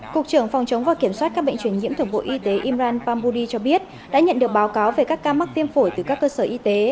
cục trưởng phòng chống và kiểm soát các bệnh truyền nhiễm thượng bộ y tế iran pambudi cho biết đã nhận được báo cáo về các ca mắc tiêm phổi từ các cơ sở y tế